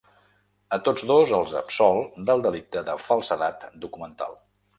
A tots dos, els absol del delicte de falsedat documental.